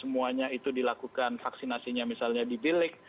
semuanya itu dilakukan vaksinasinya misalnya di bilik